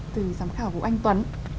từ giám khảo vũ anh tuấn